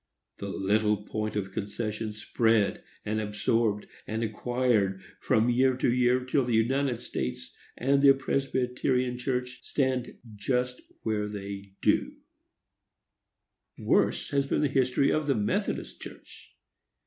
The little point of concession spread, and absorbed, and acquired, from year to year, till the United States and the Presbyterian Church stand just where they do. Worse has been the history of the Methodist Church.